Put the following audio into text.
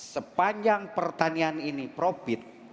sepanjang pertanian ini profit